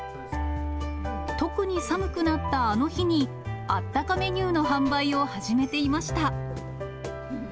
特に寒くなったあの日に、あったかメニューの販売を始めていました。